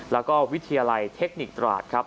แล้วก็วิทยาลัยเทคนิคตราดครับ